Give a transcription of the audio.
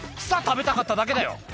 「草食べたかっただけだよ